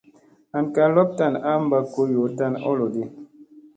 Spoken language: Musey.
An kaa lop tan a mba go yoo tani oloɗi.